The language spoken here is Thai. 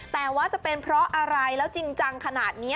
แต่ว่าจะเป็นเพราะอะไรแล้วจริงจังขนาดนี้